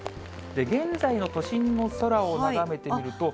現在の都心の空を眺めてみると。